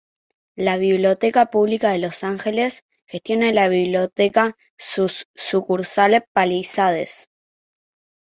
La Biblioteca Pública de Los Ángeles gestiona la Biblioteca Sucursal Palisades.